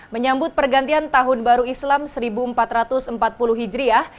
menyambut pergantian tahun baru islam seribu empat ratus empat puluh hijriah